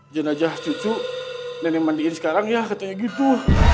jenajah cucu nenek mandiin sekarang ya katanya gitu